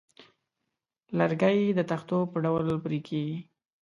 لرګی د تختو په ډول پرې کېږي.